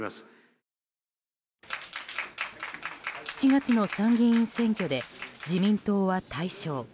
７月の参議院選挙で自民党は大勝。